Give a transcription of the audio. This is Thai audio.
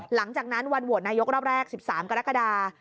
หลังจากนั้นวันโหวตนายกรอบแรก๑๓กรกฎา